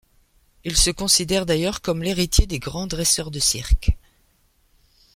Il se considère d'ailleurs comme l'héritier des grands dresseurs de cirques.